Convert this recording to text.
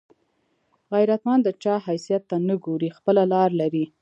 غیرتمند د چا حیثیت ته نه ګوري، خپله لار لري